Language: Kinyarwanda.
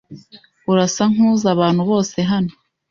Urasa nkuzi abantu bose hano.